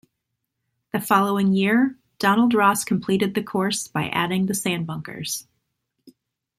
The following year, Donald Ross completed the course by adding the sand bunkers.